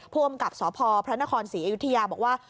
ผู้กำกับสพพระนครศรีอยุธยาบอกว่า